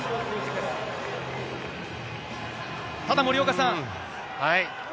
ただ、森岡さん。